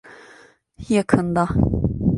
Yakında.